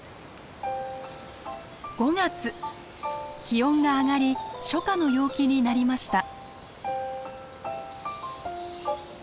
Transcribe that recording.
気温が上がり初夏の陽気になりました。